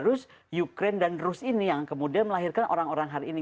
itu yang kemudian ada di belarus ukraine dan rus ini yang kemudian melahirkan orang orang hari ini